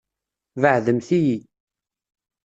Beɛɛdemt-iyi.